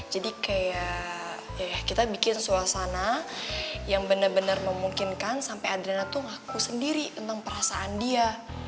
jadi kayak ya kita bikin suasana yang bener bener memungkinkan sampai adriana tuh ngaku sendiri tentang perasaan dia